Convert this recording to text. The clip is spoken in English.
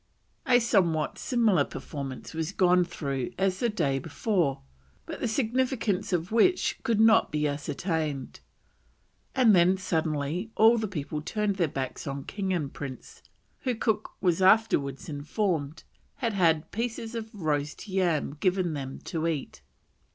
A somewhat similar performance was gone through as the day before, but the significance of which could not be ascertained, and then suddenly all the people turned their backs on king and prince, who, Cook was afterwards informed, had had pieces of roast yam given them to eat.